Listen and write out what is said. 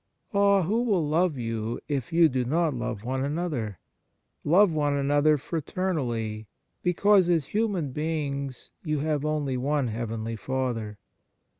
Ah ! who will love you if you do not love one another ? Love one another fraternally, because as human beings you have only one heavenly Father.